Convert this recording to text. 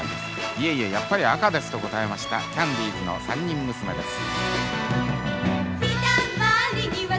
いえいえやっぱり赤ですと答えましたキャンディーズの３人娘です。